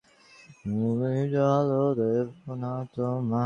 এমন-কী, সে একটু দ্বিধার ভাব দেখিয়ে মাথা চুলকোতে লাগল।